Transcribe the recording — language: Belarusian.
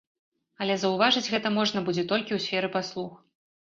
Але заўважыць гэта можна будзе толькі ў сферы паслуг.